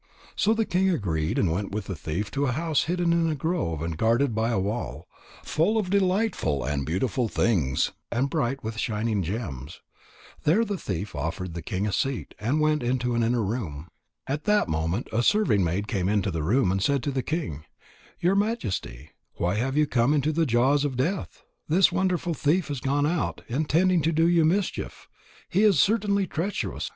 So the king agreed and went with the thief to a house hidden in a grove and guarded by a wall, full of delightful and beautiful things, and bright with shining gems. There the thief offered the king a seat, and went into an inner room. At that moment a serving maid came into the room and said to the king: "Your Majesty, why have you come into the jaws of death? This wonderful thief has gone out, intending to do you a mischief. He is certainly treacherous.